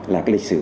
là cái lịch sử